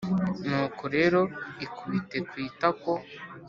Nuko rero ikubite ku itako